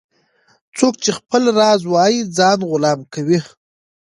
- څوک چي خپل راز وایې ځان غلام کوي.